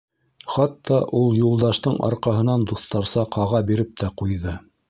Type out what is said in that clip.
Хатта ул Юлдаштың арҡаһынан дуҫтарса ҡаға биреп тә ҡуйҙы.